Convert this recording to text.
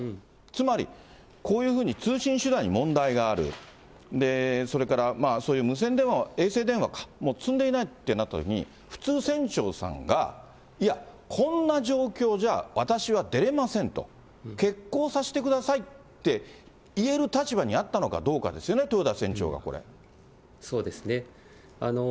つまりこういうふうに通信手段に問題がある、それからそういう無線電話、衛星電話か、積んでいないってなったときに、普通、船長さんが、いや、こんな状況じゃ私は出れませんと、欠航させてくださいって言える立場にあったのかどうかですよね、そうですね。